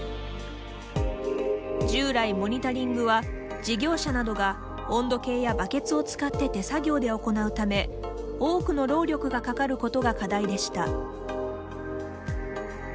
従来モニタリングは事業者などが温度計やバケツを使って手作業で行うため、多くの労力がかかることが課題でした。